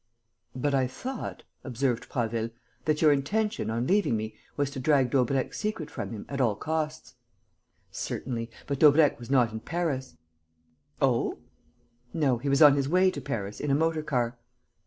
"But I thought," observed Prasville, "that your intention, on leaving me, was to drag Daubrecq's secret from him at all costs." "Certainly. But Daubrecq was not in Paris." "Oh?" "No. He was on his way to Paris in a motor car."